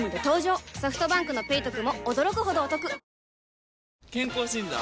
ソフトバンクの「ペイトク」も驚くほどおトク健康診断？